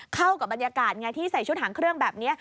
เข้ากับบรรยากาศไงที่ใส่ชุดหางเครื่องแบบนี้